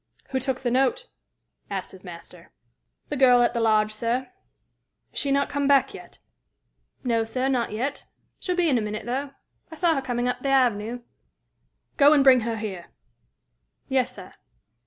"Who took the note?" asked his master. "The girl at the lodge, sir." "Is she not come back yet?" "No, sir, not yet. She'll be in a minute, though. I saw her coming up the avenue." "Go and bring her here." "Yes, sir."